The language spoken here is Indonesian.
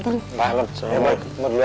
selamat ulang ya